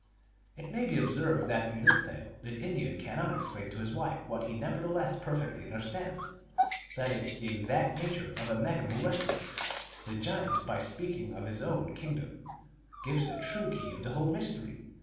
It may be observed that in this tale the Indian cannot explain to his wife what he nevertheless per fectly understands ; that is, the exact nature of a Me gumoowessoo. The giant, by speaking of his own kingdom, gives the true key of the whole mystery.